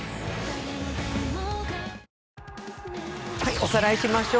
おさらいしましょう。